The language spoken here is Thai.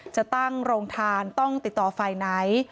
จะตั้งโรงทานต้องติดต่อฝ่ายไหน